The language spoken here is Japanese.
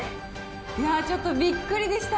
いやー、ちょっとびっくりでした。